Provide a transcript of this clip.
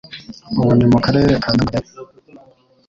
ubu ni mu Karere ka Nyamagabe